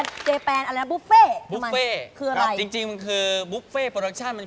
มันคือภักดิ์มันรายให้มึง